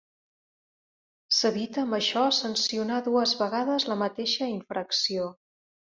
S'evita amb això sancionar dues vegades la mateixa infracció.